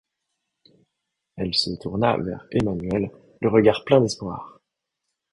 Il se tourna vers Emmanuelle, le regard plein d’espoir.